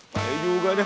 pahit juga deh